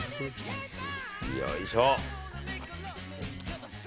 よいしょ！